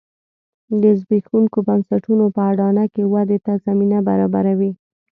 د زبېښونکو بنسټونو په اډانه کې ودې ته زمینه برابروي